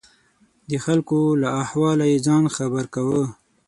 د خلکو له احواله یې ځان خبر کاوه.